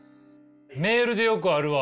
メールでよくあるわ。